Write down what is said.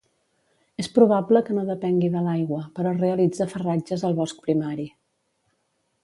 És probable que no depengui de l'aigua, però realitza farratges al bosc primari.